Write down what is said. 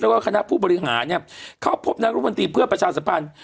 แล้วก็คณะผู้บริหาเนี่ยเขาพบนักรุงมันตรีเพื่อประชาสมภัณฑ์